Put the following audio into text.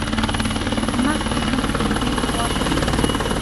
مخ دې هم همدې خوا ته وي.